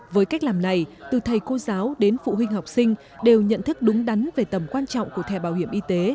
với cách làm này từ thầy cô giáo đến phụ huynh học sinh đều nhận thức đúng đắn về tầm quan trọng của thẻ bảo hiểm y tế